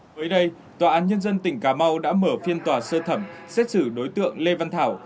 mới đây tòa án nhân dân tỉnh cà mau đã mở phiên tòa sơ thẩm xét xử đối tượng lê văn thảo